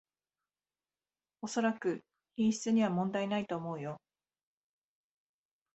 おそらく品質には問題ないと思うよ